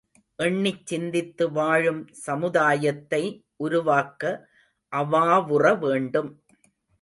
எண்ணிச் சிந்தித்து வாழும் சமுதாயத்தை உருவாக்க அவாவுறவேண்டும்.